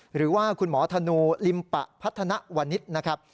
หรือว่าคุณหมอธนูลิมปะพัฒนวนิษฐ์นะครับ